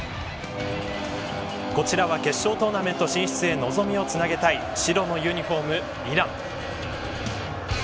こちらは決勝トーナメント進出へ望みをつなげたい白のユニホーム、イラン。